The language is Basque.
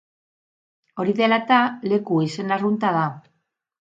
Hori dela eta leku izen arrunta da.